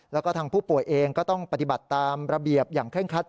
แล้วก็ทางผู้ป่วยเองก็ต้องปฏิบัติตามระเบียบอย่างเคร่งคัด